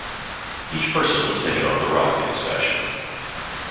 Each person was taken off the rock in this fashion.